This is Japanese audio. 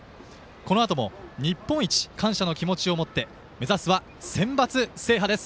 このあとも、日本一感謝の気持ちを持って目指すはセンバツ制覇です。